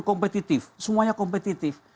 kompetitif semuanya kompetitif